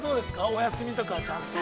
お休みとかはちゃんと。